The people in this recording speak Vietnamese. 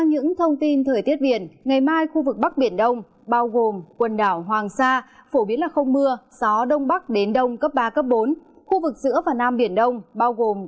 nhiệt độ trên cả hai quần đảo hoàng sa và trường sa đều dưới ba mươi một độ